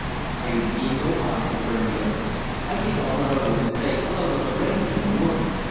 I didn't see him go by," returned the other. "I think I'll run over and say 'hello' to Lagrange in the morning.